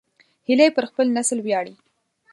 هیلۍ پر خپل نسل ویاړي